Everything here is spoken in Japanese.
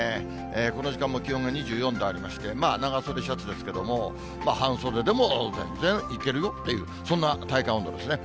この時間も気温が２４度ありまして、長袖シャツですけれども、半袖でも全然いけるよっていう、そんな体感温度ですね。